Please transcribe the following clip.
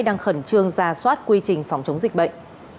đang khẩn trương ra soát quy trình phòng chống dịch bệnh